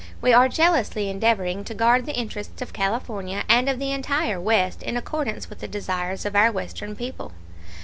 We are jealously endeavoring to guard the interests of California and of the entire West in accordance with the desires of our Western people.